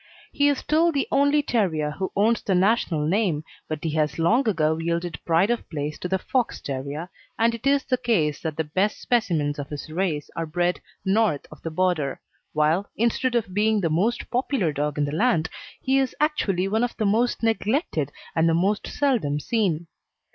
He is still the only terrier who owns the national name, but he has long ago yielded pride of place to the Fox terrier, and it is the case that the best specimens of his race are bred north of the border, while, instead of being the most popular dog in the land, he is actually one of the most neglected and the most seldom seen.